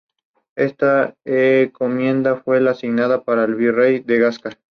El tiempo de los Hijos de Dune ha comenzado.